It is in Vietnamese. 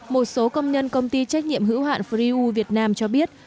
một số công nhân công ty trách nhiệm hữu hạn freew việt nam cho biết